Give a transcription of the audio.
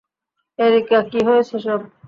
Areca, কী হচ্ছে এসব?